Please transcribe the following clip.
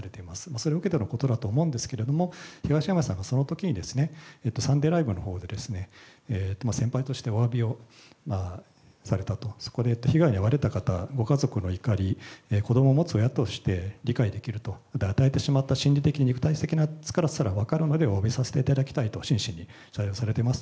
それを受けてのことだと思うんですけれども、東山さんがそのときにサンデーライブのほうで、先輩としておわびをされたと、そこで被害に遭われた方、ご家族の怒り、子どもを持つ親として理解できると、与えてしまった心理的、肉体的なつらさも分かるので、おわびさせていただきたいと、真摯に謝罪をされています。